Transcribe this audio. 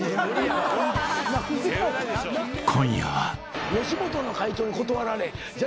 ［今夜は］